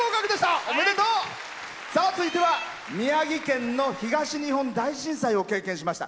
続いては宮城県の東日本大震災を経験しました。